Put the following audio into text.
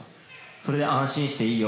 それで「安心していいよ」